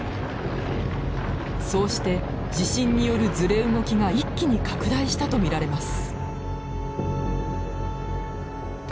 そうして地震によるずれ動きが一気に拡大したと見られます。